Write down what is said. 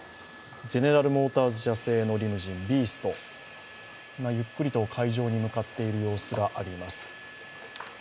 ゼネラルモーターズ社のリムジン、ビースト、今、ゆっくりと会場に向かっている様子があります。